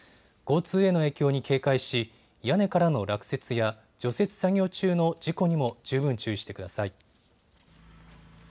交通への影響に警戒し屋根からの落雪や除雪作業中の事故にも十分注意してください。